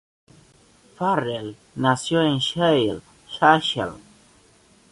Farrell nació en Sale, Cheshire.